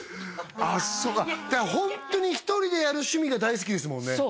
そうかホントに１人でやる趣味が大好きですもんね